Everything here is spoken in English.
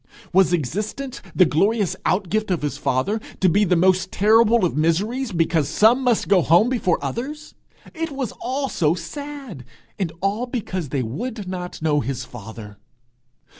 Was existence, the glorious out gift of his father, to be the most terrible of miseries, because some must go home before others? It was all so sad! and all because they would not know his father!